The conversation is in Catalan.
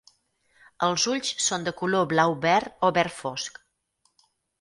Els ulls són de color blau verd o verd fosc.